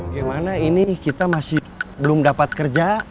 gimana ini kita masih belum dapat kerja